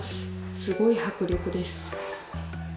すごい迫力です。